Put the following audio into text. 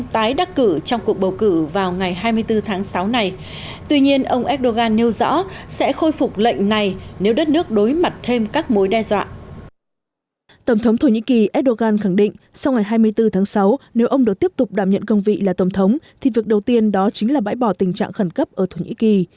tổng thống thổ nhĩ kỳ erdogan khẳng định sau ngày hai mươi bốn tháng sáu nếu ông được tiếp tục đảm nhận cương vị là tổng thống thì việc đầu tiên đó chính là bãi bỏ tình trạng khẩn cấp ở thổ nhĩ kỳ